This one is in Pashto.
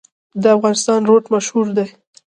د افغانستان روټ مشهور دی